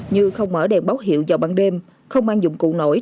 như không mở đèn báo hiệu vào ban đêm không mang dụng cụ nổi